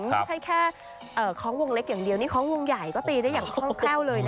ไม่ใช่แค่คล้องวงเล็กอย่างเดียวนี่คล้องวงใหญ่ก็ตีได้อย่างคล่องแคล่วเลยนะคะ